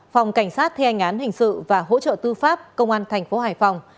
phòng cảnh sát hình sự công an thành phố hải phòng